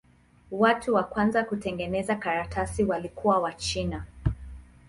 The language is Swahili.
Watu wa kwanza kutengeneza karatasi walikuwa Wachina.